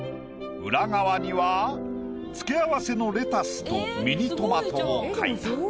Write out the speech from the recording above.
裏側には付け合わせのレタスとミニトマトを描いた。